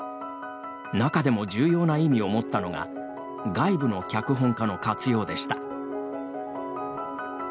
中でも、重要な意味を持ったのが外部の脚本家の活用でした。